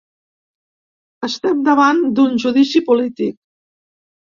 Estem davant d’un judici polític.